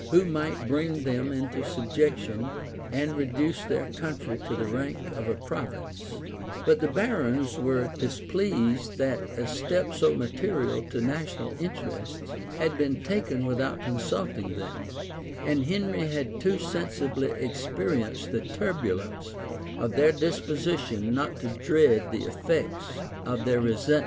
} who might bring them into subjection, and reduce their country to the rank of a province; but the barons were displeased that a step so material to national interests had been taken without consulting them;[] and Henry had too sensibly experienced the turbulence of their disposition not to dread the effects of their resentment.